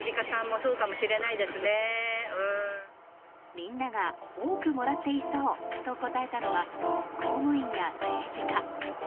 みんなが多くもらっていそうと答えたのは公務員や政治家。